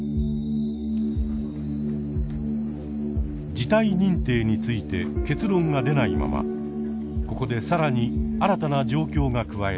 事態認定について結論が出ないままここで更に新たな状況が加えられました。